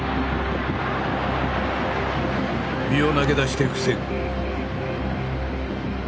身を投げ出して防ぐ。